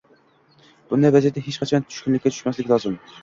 Bunday vaziyatda hech qachon tushkunlikka tushmaslik lozim.